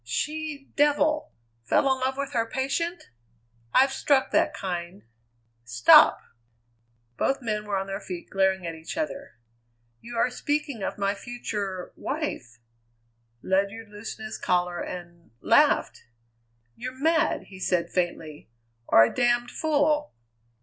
"She devil! Fell in love with her patient? I've struck that kind " "Stop!" Both men were on their feet and glaring at each other. "You are speaking of my future wife!" Ledyard loosened his collar and laughed! "You're mad!" he said faintly, "or a damned fool!"